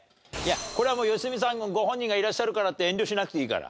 これはもう良純さんご本人がいらっしゃるからって遠慮しなくていいから。